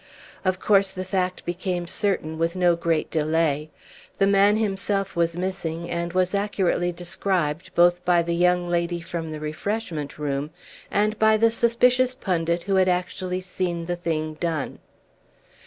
Of course the fact became certain with no great delay. The man himself was missing, and was accurately described both by the young lady from the refreshment room, and by the suspicious pundit who had actually seen the thing done.